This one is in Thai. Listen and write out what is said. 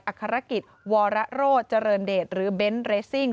อัฆรกิจวาระโรธเจรินเดชน์หรือเบนด์เรสซิ่ง